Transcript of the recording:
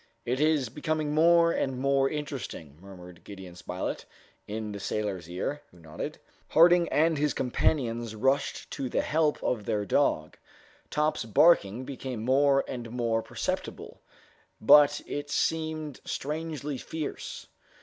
"It is becoming more and more interesting," murmured Gideon Spilett in the sailor's ear, who nodded. Harding and his companions rushed to the help of their dog. Top's barking became more and more perceptible, and it seemed strangely fierce.